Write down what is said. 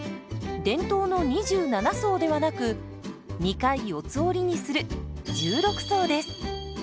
伝統の２７層ではなく２回四つ折りにする１６層です。